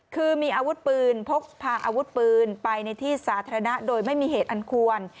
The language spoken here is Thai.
คือมีอาวุธปืนพกพาอาวุธปืนไปในที่สาธารณะโดยไม่มีเหตุอันควร